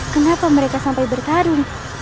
kenapa mereka sampai bertarung